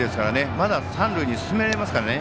まだ三塁に進められますからね